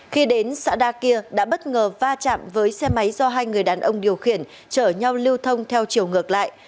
khi đến xã đa kia đã bất ngờ va chạm với xe máy do hai người đàn ông điều khiển chở nhau lưu thông theo chiều ngược lại